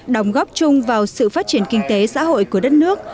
đồng góp chung vào sự phát triển kinh tế xã hội của đất nước